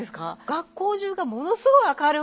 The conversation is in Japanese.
学校中がものすごい明るくて。